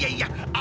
あ！